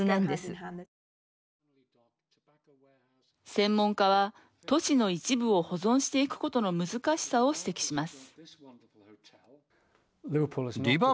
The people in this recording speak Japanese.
専門家は都市の一部を保存していくことの難しさを指摘します。